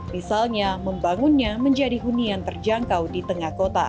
misalnya membangunnya menjadi huni yang terjangkau di tengah kota